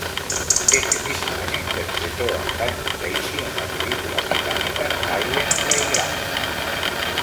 Ese mismo año interpretó a Simon Lacey en la película británica "Silent Playground".